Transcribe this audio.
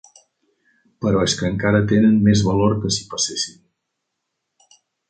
-Però és que encara tenen més valor que si passessin.